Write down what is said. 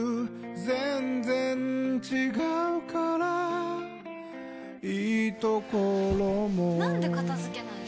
全然違うからいいところもなんで片付けないの？